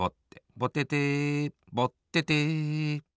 ぼててぼってて。